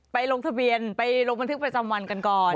ลงทะเบียนไปลงบันทึกประจำวันกันก่อน